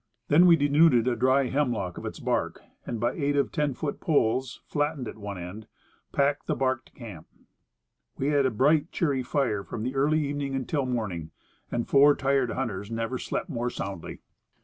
Then we denuded a dry hemlock of its bark by aid of ten foot poles, flattened at one end, and packed the bark to camp. We had a bright, cheery fire from the early evening until morning, and four tired hunters never slept more soundly.